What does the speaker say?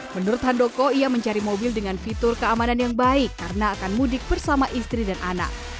menurut handoko ia mencari mobil dengan fitur keamanan yang baik karena akan mudik bersama istri dan anak